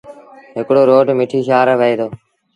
هڪڙوروڊ مٺيٚ شآهر وهي دو۔